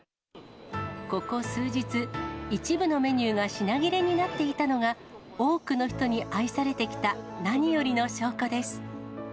ここ数日、一部のメニューが品切れになっていたのが、多くの人に愛されてきた何よりの証拠です。